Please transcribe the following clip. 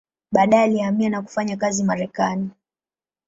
Baadaye alihamia na kufanya kazi Marekani.